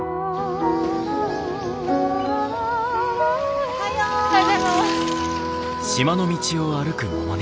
おはようございます。